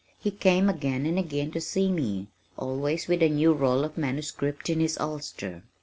He came again and again to see me, always with a new roll of manuscript in his ulster.